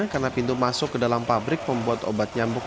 karena pintu masuk ke dalam pabrik pembuat obat nyambuk